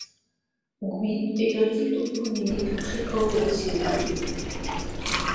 Gouy est un type toponymique fréquent de l'ancienne Gaule.